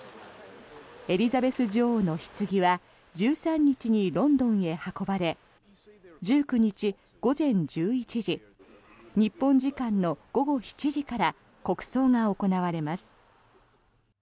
エリザベス女王のひつぎは１３日にロンドンへ運ばれ１９日午前１１時日本時間の午後７時から国葬が行われます。